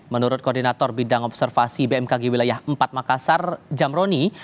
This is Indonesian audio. menurut koordinator bidang observasi bmkg wilayah empat makassar jamroni